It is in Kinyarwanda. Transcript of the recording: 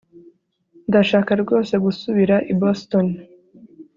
Ndashaka rwose gusubira i Boston